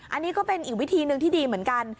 อันนี้ก็เป็นอีกวิธีหนึ่งที่ดีเหมือนกัน